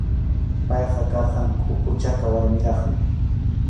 Payqa karqan kʼuku chaka warmiraqmi.